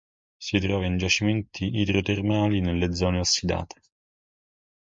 Si trova in giacimenti idrotermali, nelle zone ossidate.